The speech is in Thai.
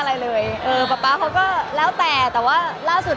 มันเป็นเรื่องน่ารักที่เวลาเจอกันเราต้องแซวอะไรอย่างเงี้ย